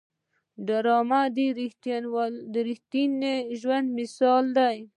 ډرامه د رښتیني ژوند مثال دی